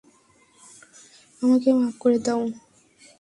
আমাকে মাফ করে দাও।